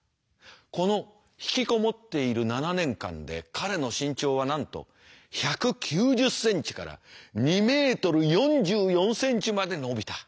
この引きこもっている７年間で彼の身長はなんと１９０ｃｍから２ｍ４４ｃｍまで伸びた。